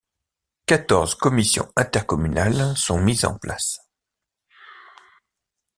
Quatorze commissions intercommunales sont mises en place.